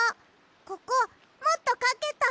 ここもっとかけた。